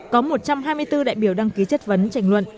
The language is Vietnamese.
có một trăm hai mươi bốn đại biểu đăng ký chất vấn tranh luận